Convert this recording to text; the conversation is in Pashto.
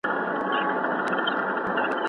کله چې مرسته او چانس راشي باید ښه استفاده ترې وشي.